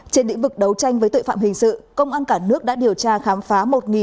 trên lĩnh vực đấu tranh với tội phạm hình sự công an cả nước đã điều tra khám phá